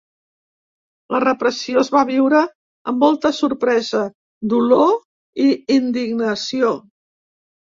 La repressió es va viure amb molta sorpresa, dolor i indignació.